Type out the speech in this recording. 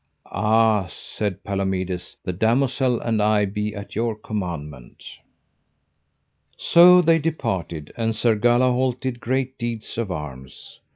Ah, said Palomides, the damosel and I be at your commandment. So they departed, and Sir Galahalt did great deeds of arms.